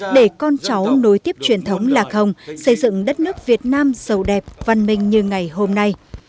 để con cháu nối tiếp truyền thống lạc hồng xây dựng đất nước việt nam sầu đẹp văn minh như ngày hôm nay